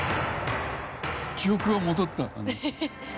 記憶が戻った。